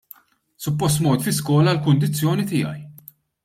Suppost mort fi skola għall-kundizzjoni tiegħi.